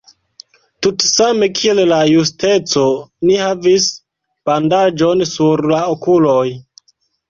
Tutsame kiel la Justeco, ni havis bandaĝon sur la okuloj.